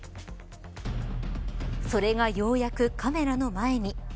それが、ようやくカメラの前に。